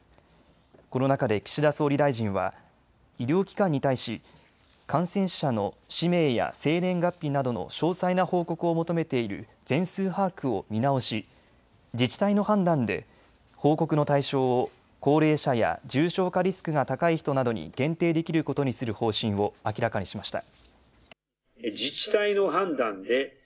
この中で岸田総理大臣は医療機関に対し感染者の氏名や生年月日などの詳細な報告を求めている全数把握を見直し自治体の判断で報告の対象を高齢者や重症化リスクが高い人などに限定できることにする方針を明らかにしました。